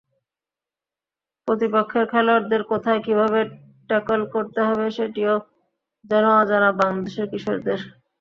প্রতিপক্ষের খেলোয়াড়দের কোথায়, কীভাবে ট্যাকল করতে হবে, সেটিও যেন অজানা বাংলাদেশের কিশোরদের।